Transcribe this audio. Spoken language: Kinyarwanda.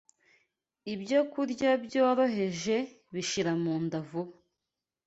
Ibyokurya Byoroheje bishira mumda vuba